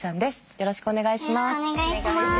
よろしくお願いします。